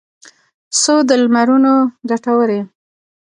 څو د لمرونو کټوري